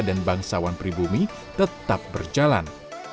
dan bangsawan pribumi tetap berjalan